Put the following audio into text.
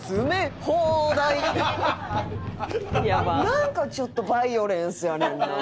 なんかちょっとバイオレンスやねんな。